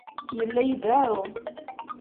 Yella ideɛɛu.